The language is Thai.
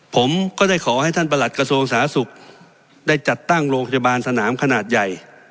ผมก็ได้ขอให้ท่านประหลัดกระทรวงสาธารณสุขได้จัดตั้งโรงพยาบาลสนามขนาดใหญ่